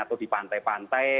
atau di pantai pantai